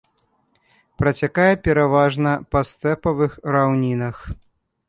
Працякае пераважна па стэпавых раўнінах.